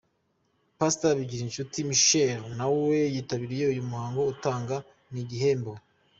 Pastor Zigirinshuti Michel nawe yitabiriye uyu muhango, atanga n'igihembo.